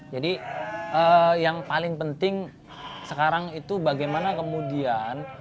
jadi yang paling penting sekarang itu bagaimana kemudian